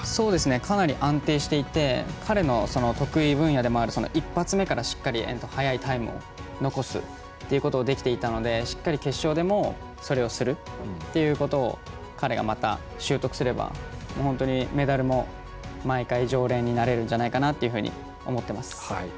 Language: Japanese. かなり安定していて彼の得意分野でもある一発目からしっかり速いタイムを残すということができていたのでしっかり決勝でもそれをするっていうことを彼が、また習得すれば本当にメダルも毎回常連になれるんじゃないかなというふうに思っています。